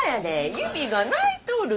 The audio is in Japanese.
指が泣いとる。